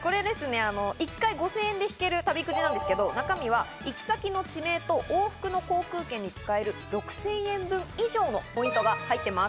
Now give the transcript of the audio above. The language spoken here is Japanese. １回５０００円で引ける旅くじなんですけど、中身は行き先の地名と往復に使える６０００円分以上のポイントが入っています。